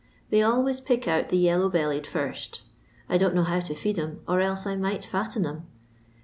They always pick out the yellow bellied first; I don't know how to feed 'em, or else I might fatten them.